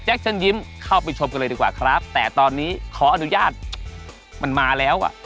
เชิญยิ้มเข้าไปชมกันเลยดีกว่าครับแต่ตอนนี้ขออนุญาตมันมาแล้วอ่ะ